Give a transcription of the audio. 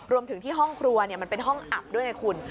รวมถึงที่ห้องครัวมันเป็นห้องอับด้วยไงคุณ